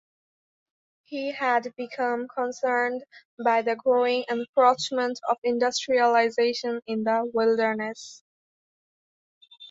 He had become concerned by the "growing encroachment of industrialization" in the wilderness.